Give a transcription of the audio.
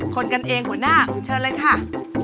คนกันเองหัวหน้าเชิญเลยค่ะ